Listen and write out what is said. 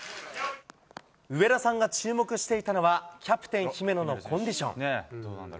上田さんが注目していたのは、キャプテン、姫野のコンディション。